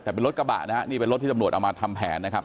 แต่เป็นรถกระบะนะฮะนี่เป็นรถที่ตำรวจเอามาทำแผนนะครับ